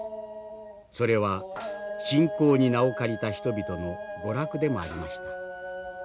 それは信仰に名を借りた人々の娯楽でもありました。